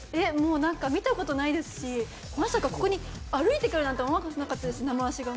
見たことないですしまさか、ここに歩いてくるなんて思わなかったです、生足が。